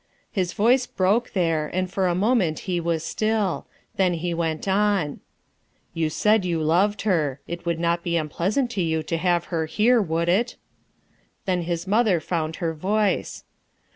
His voice broke there, and for a moment he Was still. Then he went on, "You said you loved her; it would not be unpleasant to you to have her here, would it V s Then his mother found her voice.